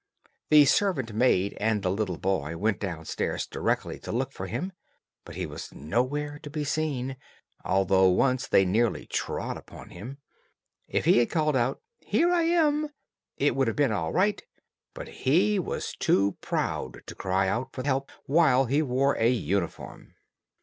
The servant maid and the little boy went down stairs directly to look for him; but he was nowhere to be seen, although once they nearly trod upon him. If he had called out, "Here I am," it would have been all right, but he was too proud to cry out for help while he wore a uniform.